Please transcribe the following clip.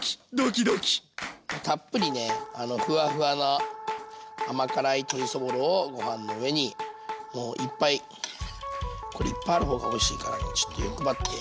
たっぷりねふわふわな甘辛い鶏そぼろをご飯の上にもういっぱいこれいっぱいある方がおいしいからちょっと欲張って。